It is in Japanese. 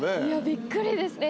びっくりですね